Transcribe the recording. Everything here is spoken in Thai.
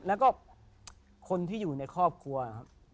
แล้วก็คนที่อยู่ในครอบครัวครับ